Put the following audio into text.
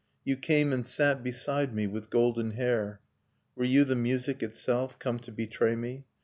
You came and sat beside me, with golden hair; Were you the music itself, come to betray me?